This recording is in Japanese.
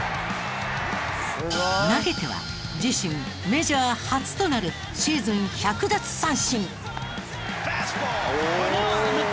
投げては自身メジャー初となるシーズン１００奪三振。